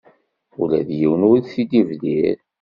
Ula d yiwen ur t-id-ibdir.